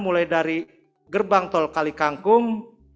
mulai dari gerbang tol kali kangkung